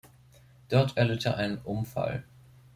Dort erlitt er einen Unfall.